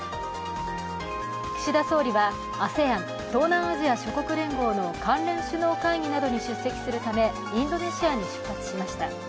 岸田総理はＡＳＥＡＮ＝東南アジア諸国連合の関連首脳会議などに出席するためインドネシアに出発しました。